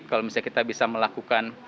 kalau misalnya kita bisa melakukan